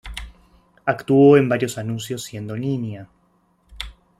Actuó en varios anuncios siendo niña.